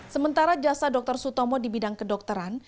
sementara jasa dr sutomo di bidang kedokteran